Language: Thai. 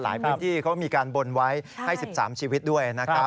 พื้นที่เขามีการบนไว้ให้๑๓ชีวิตด้วยนะครับ